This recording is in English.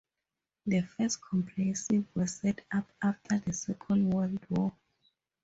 The first comprehensives were set up after the Second World War.